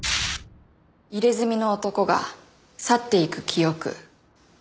入れ墨の男が去っていく記憶。